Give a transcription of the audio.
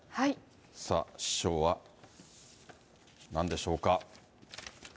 さあ、師匠は、なんでしょうか。